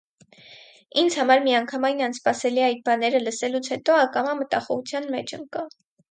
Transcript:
Ինձ համար միանգամայն անսպասելի այդ բաները լսելուց հետո ակամա մտախոհության մեջ ընկա: